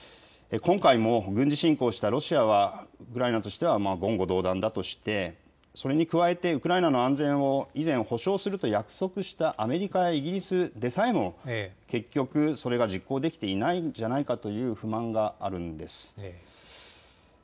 今回軍事侵攻したロシアにはウクライナとしては言語道断だとして、それに加えてウクライナの安全を以前、保障するとしたアメリカやイギリスでさえも結局それが実行できていないんじゃないかという不満があるんです。